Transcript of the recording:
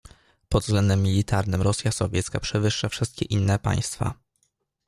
"Pod względem militarnym Rosja Sowiecka przewyższa wszystkie inne państwa."